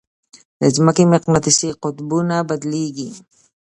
د ځمکې مقناطیسي قطبونه بدلېږي.